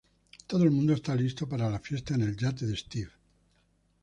Todo el mundo está lista para la fiesta en el yate de Steve.